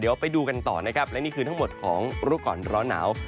เดี๋ยวไปดูกันต่อนะครับและนี่คือทั้งหมดของรู้ก่อนร้อนหนาว